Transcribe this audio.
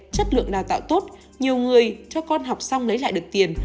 chất lượng đào tạo tốt nhiều người cho con học xong lấy lại được tiền